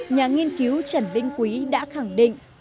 nhà nghiên cứu trần linh quý đã khẳng định